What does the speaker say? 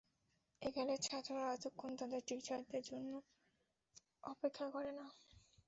একালের ছাত্ররা এতক্ষণ তাদের টিচারদের জন্যে অপেক্ষা করে না।